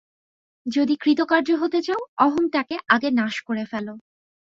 যদি কৃতকার্য হতে চাও, অহংটাকে আগে নাশ করে ফেল।